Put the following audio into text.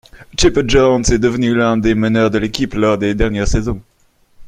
Chipper Jones est devenu l'un des meneurs de l'équipe lors des dernières saison.